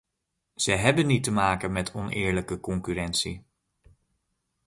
Ze hebben niet te maken met oneerlijke concurrentie.